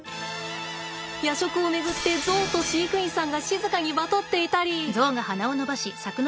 夜食を巡ってゾウと飼育員さんが静かにバトっていたり。